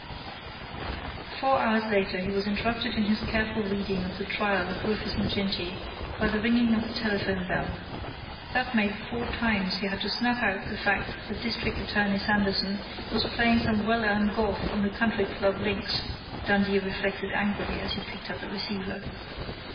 Four hours later he was interrupted in his careful reading of the trial of Rufus Maginty by the ringing of the telephone bell. That made four times he had had to snap out the fact that District Attorney Sanderson was playing some well earned golf on the Country Club links, Dundee reflected angrily, as he picked up the receiver.